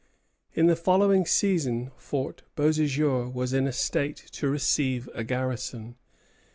In the following season Fort Beauséjour was in a state to receive a garrison.